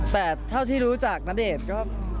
แต่เท่าที่รู้จักณเดชน์ก็